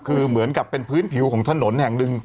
คือเหมือนกับเป็นพื้นผิวของถนนแห่งหนึ่ง